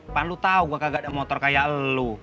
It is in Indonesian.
kan lu tau gue kagak ada motor kayak lu